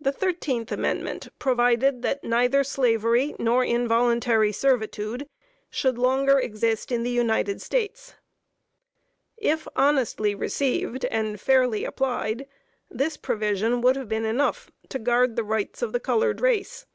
The 13th Amendment provided that neither slavery nor involuntary servitude should longer exist in the United States. If honestly received and fairly applied, this provision would have been enough to guard the rights of the colored race.